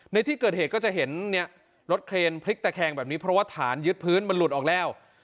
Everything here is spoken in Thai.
ในที่เกิดเหตุก็จะเห็นเนี่ยรถเครนพลิกตะแคงแบบนี้เพราะว่าฐานยึดพื้นมันหลุดออกแล้ว